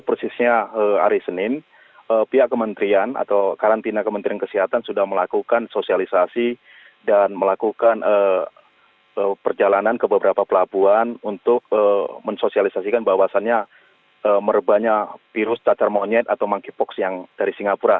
persisnya hari senin pihak kementerian atau karantina kementerian kesehatan sudah melakukan sosialisasi dan melakukan perjalanan ke beberapa pelabuhan untuk mensosialisasikan bahwasannya merebanyak virus cacar monyet atau monkeypox yang dari singapura